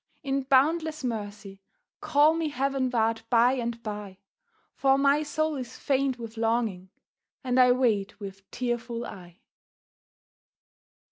in boundless mercy Call me heavenward by and by, For my soul is faint with longing, And I wait with tearful eye.